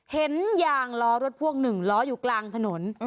เห็นอย่างล้อรถพวกหนึ่งล้ออยู่กลางถนน